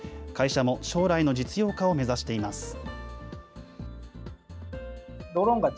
会社も将来の実用化を目指しています。